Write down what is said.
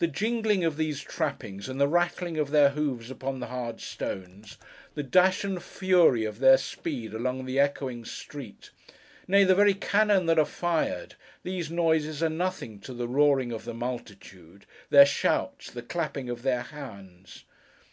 The jingling of these trappings, and the rattling of their hoofs upon the hard stones; the dash and fury of their speed along the echoing street; nay, the very cannon that are fired—these noises are nothing to the roaring of the multitude: their shouts: the clapping of their hands.